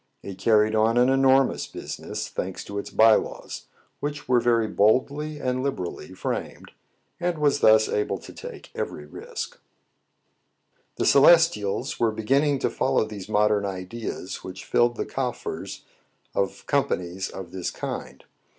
It carried on an enormous business, — thanks to its by laws, which were very boldly and liberally framed, — and was thus able to take every risk. The Celestials were beginning to follow these modern ideas which filled the coffers of com panies of this kind.